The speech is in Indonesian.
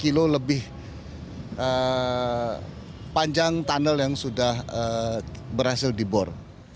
kilo lebih panjang tunnel yang sudah berhasil dibor